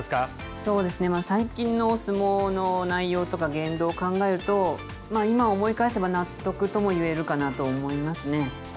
そうですね、最近の相撲の内容とか、言動を考えると、今思い返せば納得ともいえるかなと思いますね。